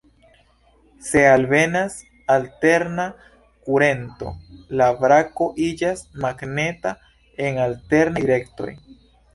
Se alvenas alterna kurento, la brako iĝas magneta en alternaj direktoj.